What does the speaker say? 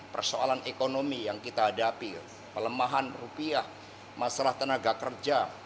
persoalan ekonomi yang kita hadapi pelemahan rupiah masalah tenaga kerja